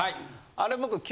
あれ僕。